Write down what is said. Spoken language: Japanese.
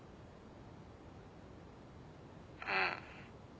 うん。